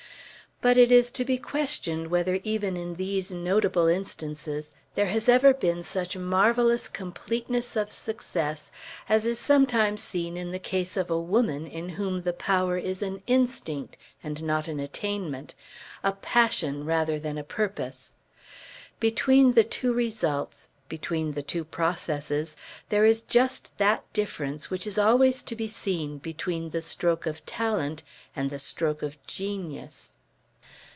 But it is to be questioned whether even in these notable instances there has ever been such marvellous completeness of success as is sometimes seen in the case of a woman in whom the power is an instinct and not an attainment; a passion rather than a purpose. Between the two results, between the two processes, there is just that difference which is always to be seen between the stroke of talent and the stroke of genius.